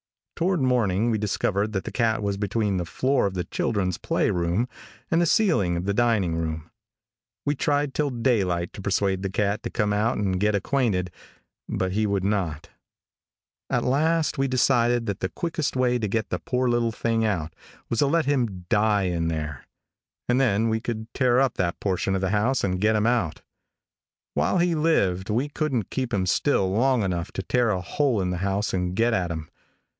Toward morning we discovered that the cat was between the floor of the children's play room and the ceiling of the dining room. We tried till daylight to persuade the cat to come out and get acquainted, but he would not. At last we decided that the quickest way to get the poor little thing out was to let him die in there, and then we could tear up that portion of the house and get him out. While he lived we couldn't keep him still long enough to tear a hole in the house and get at him.